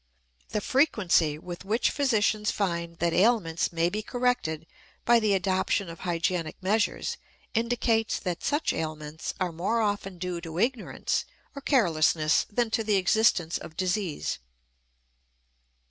The frequency with which physicians find that ailments may be corrected by the adoption of hygienic measures indicates that such ailments are more often due to ignorance or carelessness than to the existence of disease.